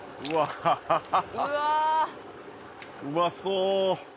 うまそう！